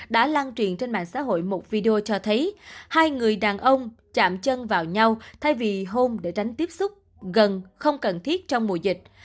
đã lan truyền trên mạng xã hội một video cho thấy hai người đàn ông chạm chân vào nhau thay vì hôn để tránh tiếp xúc gần không cần thiết trong mùa dịch